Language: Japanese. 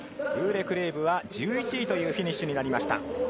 ウーレクレイブは１１位というフィニッシュになりました。